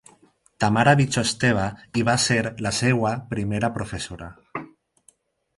Tamara Vykhodtseva hi va ser la seva primera professora.